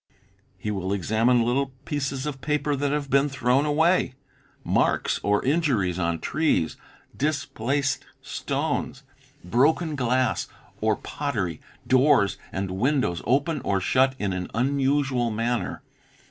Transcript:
He will examine little pieces of paper that have been thrown away, marks or injuries on trees, displaced stones, DUTIES 3 broken glass or pottery, doors and windows open or shut in an unusual manner.